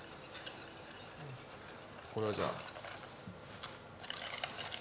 これはじゃあ。